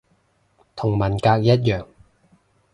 同文革一樣